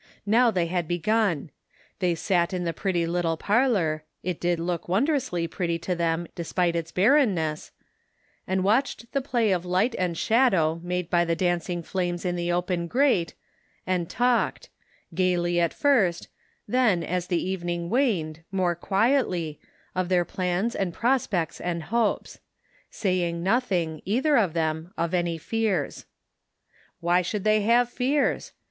Now they had begun. They sat in the pretty little parlor — it did look wondrously pretty to them, despite its barrenness — and watched the play of light and shadow made by the dancing 14 The Pocket Measure. flames in the open grate, and talked ; gaily at first, then, as the evening waned, more quietly, of their plans and prospects and hopes; saying nothing, either of them, of any fears. Why should they have fears?